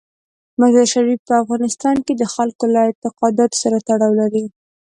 مزارشریف په افغانستان کې د خلکو له اعتقاداتو سره تړاو لري.